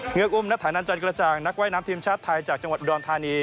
อุ้มณฐานันจันกระจ่างนักว่ายน้ำทีมชาติไทยจากจังหวัดอุดรธานี